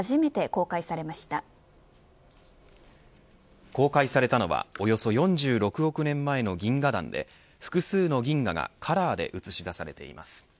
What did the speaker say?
公開されたのはおよそ４６億年前の銀河団で複数の銀河がカラーで映し出されています。